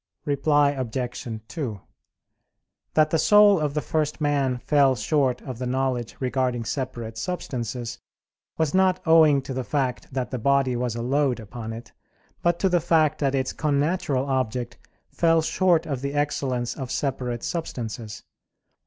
Reply Obj. 2: That the soul of the first man fell short of the knowledge regarding separate substances, was not owing to the fact that the body was a load upon it; but to the fact that its connatural object fell short of the excellence of separate substances.